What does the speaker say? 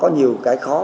nhiều cái khó